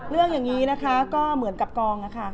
อย่างนี้นะคะก็เหมือนกับกองนะคะ